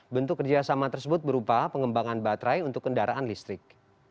bentuk kerjasama tersebut berupa pengembangan baterai untuk kendaraan listrik